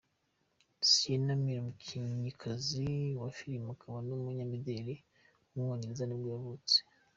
Sienna Miller, umukinnyikazi wa filime akaba n’umunyamideli w’umwongereza nibwo yavutse.